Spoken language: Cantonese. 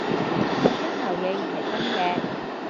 破窗效應係真嘅